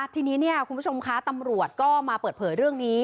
ทีนี้คุณผู้ชมคะตำรวจก็มาเปิดเผยเรื่องนี้